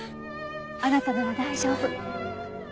あなたなら大丈夫。